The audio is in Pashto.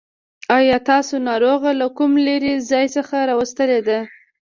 آيا تاسو ناروغه له کوم لرې ځای څخه راوستلې ده.